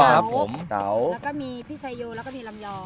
ค่ะปกติพี่ชัยโยมาแล้วนะ